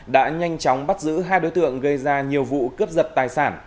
đã nhanh chóng bắt giữ hai đối tượng gây ra nhiều vụ cướp giật tài sản